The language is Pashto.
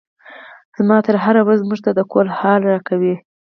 زما تره هره ورځ موږ ته د کور حال راکوي.